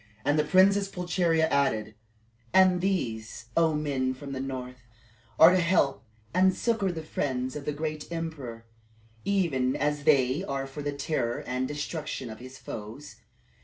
And the Princess Pulcheria added, "And these, O men from the north, are to help and succor the friends of the great emperor, even as they are for the terror and destruction of his foes.